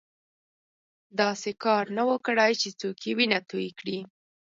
داسې کار نه وو کړی چې څوک یې وینه توی کړي.